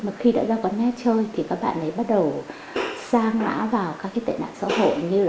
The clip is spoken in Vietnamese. mà khi đã ra quán net chơi thì các bạn ấy bắt đầu sang mã vào các cái tệ nạn xã hội